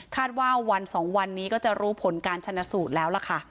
ว่าวัน๒วันนี้ก็จะรู้ผลการชนะสูตรแล้วล่ะค่ะ